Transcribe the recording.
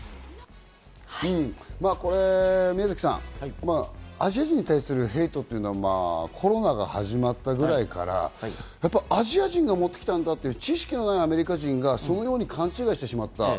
これ宮崎さん、アジア人に対するヘイトというのはコロナが始まったくらいからアジア人が持ってきたんだという知識のないアメリカ人がそのように勘違いしてしまった。